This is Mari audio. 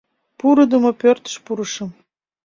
Пурыдымо пӧртыш пурышым